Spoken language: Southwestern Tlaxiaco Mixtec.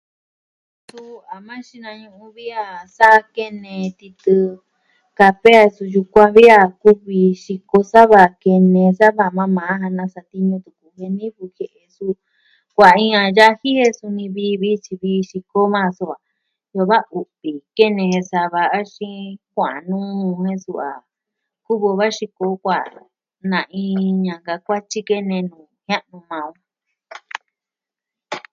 Suu, a maa xinañu'u vi a sa kene titɨ kafe, suu yukuan vi a kuvi xiko sava, kene o sava maa maa ja na satiñu tuku vi jie'e suu, kuaan iin a yaji e suni vii vii sivii koo va'a su a tee da u'vi kene sava axin kuaan nuu nee suu a, kuvi o va xiko kuaan na'in ñanka kuatyi kene nuu jia'nu maa o.